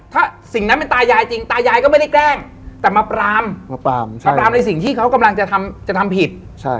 ถ้าสิ่งนั้นเป็นตายายจริงตายายก็ไม่ได้แกล้งแต่มาปรามมาปรามในสิ่งที่เขากำลังจะทำผิด